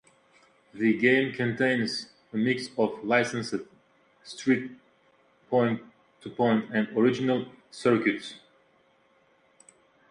The game contains a mix of licensed, street, point to point and original circuits.